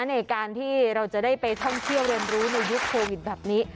ในการที่เราจะได้ไปท่องเที่ยวเรียนรู้ในยุคโควิดแบบนี้